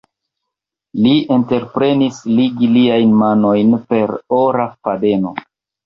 Li entreprenis ligi liajn manojn per ora fadeno.